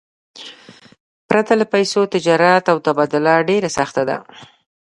پرته له پیسو، تجارت او تبادله ډېره سخته ده.